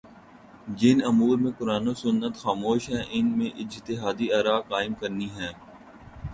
جن امور میں قرآن و سنت خاموش ہیں ان میں اجتہادی آراقائم کرنی ہیں